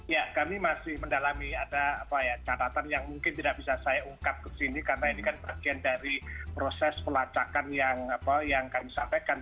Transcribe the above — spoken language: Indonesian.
ya kami masih mendalami ada catatan yang mungkin tidak bisa saya ungkap ke sini karena ini kan bagian dari proses pelacakan yang kami sampaikan